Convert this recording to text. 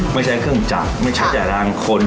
ไม่ใช้เครื่องจักรไม่ใช้แต่รางคน